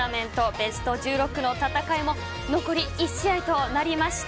ベスト１６の戦いも残り１試合となりました。